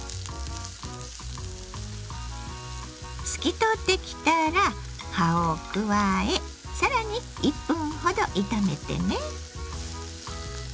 透き通ってきたら葉を加え更に１分ほど炒めてね。